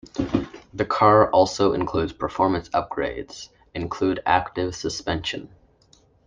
The car also includes performance upgrades include active suspension.